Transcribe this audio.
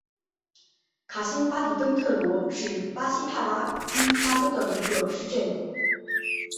卡辛巴迪登特罗是巴西帕拉伊巴州的一个市镇。